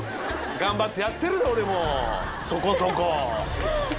頑張ってやってるで俺もそこそこ。